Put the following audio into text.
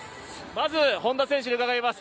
まず本多選手に伺います。